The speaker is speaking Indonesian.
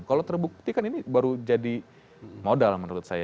kalau terbuktikan ini baru jadi modal menurut saya